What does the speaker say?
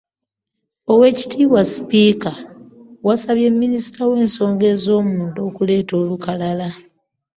“Oweekitiibwa Sipiika, wasabye Minisita w'ensonga ez'omunda okuleeta olukalala"